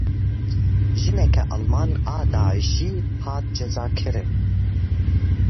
Jineke Alman a Daişî hat cezakirin.